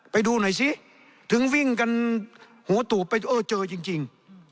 ไปดูหน่อยสิถึงวิ่งกันหัวตูดไปเออเจอจริง